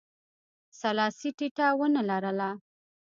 سلاسي ټیټه ونه لرله.